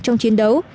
trong chiến đấu